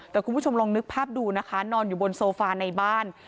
แต่คุณผู้ชมลองนึกภาพดูนะคะนอนอยู่บนโซฟาในบ้าน